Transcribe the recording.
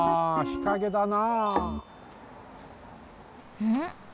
日陰だなあ。